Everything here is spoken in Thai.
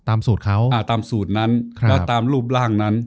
สูตรเขาอ่าตามสูตรนั้นแล้วตามรูปร่างนั้น